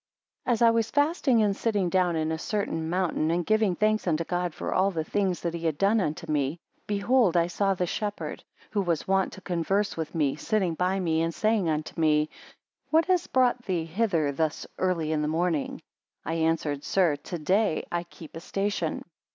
AS I was fasting, and sitting down in a certain mountain, and giving thanks unto God for all the things that he had done unto me; behold, I saw the Shepherd, who was wont to converse with me, sitting by me, and saying unto me: What has brought thee hither thus early in the morning? I answered, Sir, to day I keep a station.